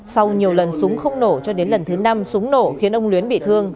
sau nhiều lần súng không nổ cho đến lần thứ năm súng nổ khiến ông luyến bị thương